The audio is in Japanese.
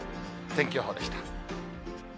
天気予報でした。